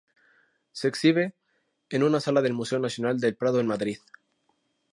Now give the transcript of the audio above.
Se exhibe en una sala del Museo Nacional del Prado en Madrid.